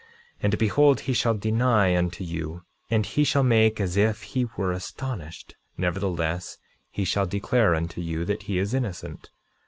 And behold, he shall deny unto you; and he shall make as if he were astonished; nevertheless, he shall declare unto you that he is innocent.